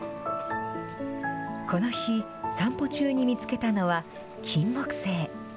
この日、散歩中に見つけたのはキンモクセイ。